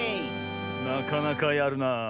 なかなかやるなあ。